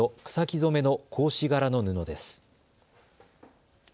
染めの格子柄の布です。